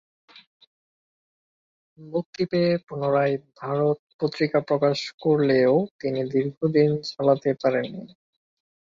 মুক্তি পেয়ে পুনরায় "ভারত" পত্রিকা প্রকাশ করলেও তিনি দীর্ঘদিন চালাতে পারেননি।